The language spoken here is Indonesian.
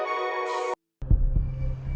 ketemu sama otang